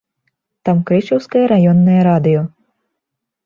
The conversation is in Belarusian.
Там крычаўскае раённае радыё.